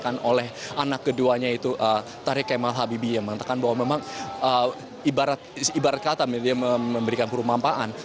dan oleh anak keduanya itu tarek kemal habibie yang mengatakan bahwa memang ibarat kata dia memberikan perumahan